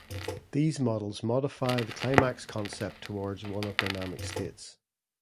These models modify the climax concept towards one of dynamic states.